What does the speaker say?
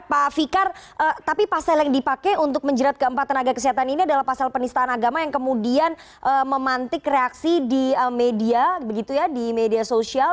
pak fikar tapi pasal yang dipakai untuk menjerat keempat tenaga kesehatan ini adalah pasal penistaan agama yang kemudian memantik reaksi di media di media sosial